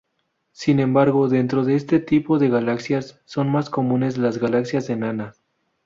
Sin embargo, dentro de este tipo de galaxias, son más comunes las galaxias enanas.